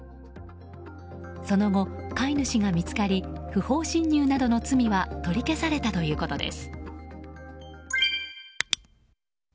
その後、飼い主が見つかり不法侵入などの罪は取り消されたということです。